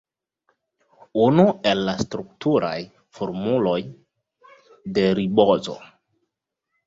Unu el la strukturaj formuloj de ribozo.